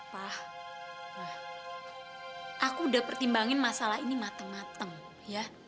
pak aku udah pertimbangin masalah ini matang matang ya